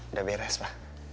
udah beres pa